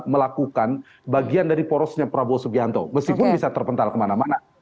melakukan bagian dari porosnya prabowo subianto meskipun bisa terpental kemana mana